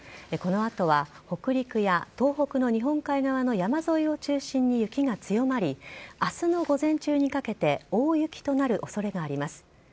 この後は、北陸や東北の日本海側の山沿いを中心に雪が強まり明日の午前中にかけて大雪となる恐れがあります。